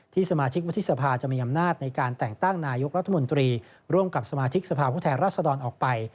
ที่สมาชิกวัฒนธิสภาจะมีอำนาจในการแต่งตั้งนายุครัฐมนตรีร่วมกับสมาชิกสภาพุทธแห่งรัฐศดรอดอลออกไป